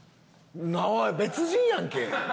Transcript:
おい別人やんけ！